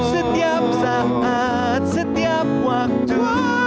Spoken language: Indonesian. setiap saat setiap waktu